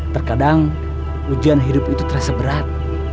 terkadang ujian hidup itu terasa berat